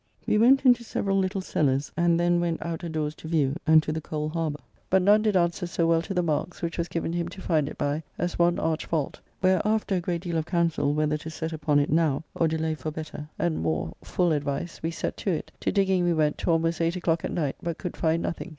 We went into several little cellars, and then went out a doors to view, and to the Cole Harbour; but none did answer so well to the marks which was given him to find it by, as one arched vault. Where, after a great deal of council whether to set upon it now, or delay for better and more full advice, we set to it, to digging we went to almost eight o'clock at night, but could find nothing.